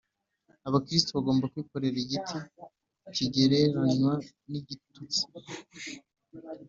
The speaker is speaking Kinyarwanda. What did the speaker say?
Abakristo bagomba kwikorera igiti kigereranywa n’igitutsi